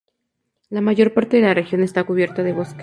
La mayor parte de la región está cubierta de bosque.